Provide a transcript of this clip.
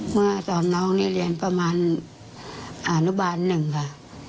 เมื่อสอบน้องเรียนประมาณอาณุบาลหนึ่งค่ะ